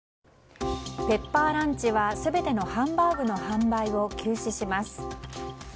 ペッパーランチは全てのハンバーグの販売を休止します。